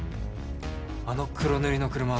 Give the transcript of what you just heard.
あの黒塗りの車